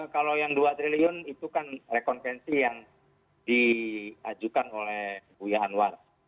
kalau yang dua triliun itu kan rekonsensi yang diajukan oleh huyahan warabat